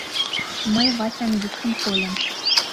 — Мый Васян йӱкшым кольым.